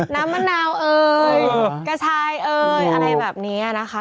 น้ำมะนาวเอ่ยกระชายเอ่ยอะไรแบบนี้นะคะ